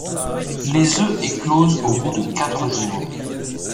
Les œufs éclosent au bout de quatre jours.